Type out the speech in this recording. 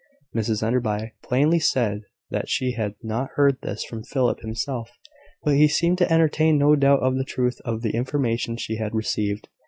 Mrs Enderby plainly said that she had not heard this from Philip himself; but she seemed to entertain no doubt of the truth of the information she had received.